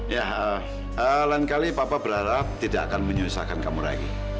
ya lain kali papa berharap tidak akan menyusahkan kamu lagi